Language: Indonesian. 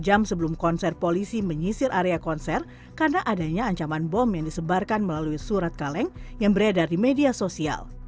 jam sebelum konser polisi menyisir area konser karena adanya ancaman bom yang disebarkan melalui surat kaleng yang beredar di media sosial